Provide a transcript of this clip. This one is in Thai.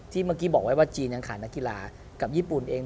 เมื่อกี้บอกไว้ว่าจีนยังขาดนักกีฬากับญี่ปุ่นเอง